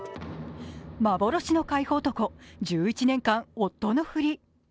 幻の海保男、１１年間、夫のふり。